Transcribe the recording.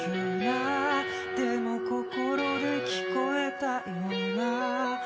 「でも心で聞こえたような」